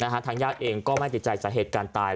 ทางญาติเองก็ไม่ติดใจสาเหตุการณ์ตาย